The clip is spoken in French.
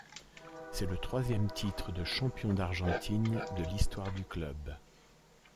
C'est le troisième titre de champion d'Argentine de l'histoire du club.